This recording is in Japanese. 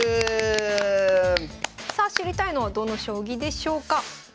さあ知りたいのはどの将棋でしょうか？